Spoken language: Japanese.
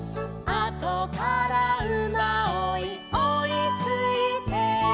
「あとからうまおいおいついて」